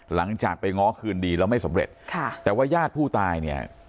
หลังจากไปง้อคืนดีแล้วไม่สำเร็จค่ะแต่ว่าญาติผู้ตายเนี่ย